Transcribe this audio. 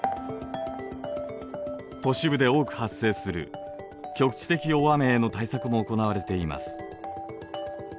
都市部で多く発生する局地的大雨への対策も行われています。